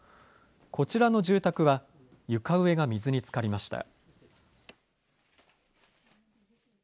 こちらの住宅は、床上が水につかりました。